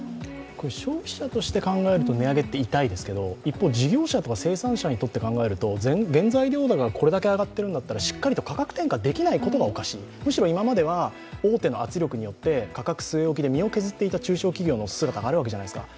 消費者として考えると、値上げって痛いですけど、事業者や生産者にとって考えると原材料高がこれだけ上がっているとしっかりと価格転嫁できないことがおかしい、むしろ今までは大手の圧力によって、価格据え置きで、身を削っていた中小企業の姿もあるじゃないですか